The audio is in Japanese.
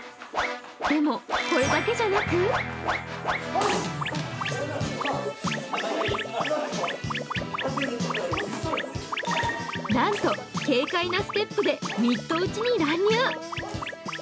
でも、これだけじゃなくなんと軽快なステップでミット打ちに乱入。